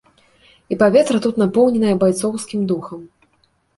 І паветра тут напоўненае байцоўскім духам.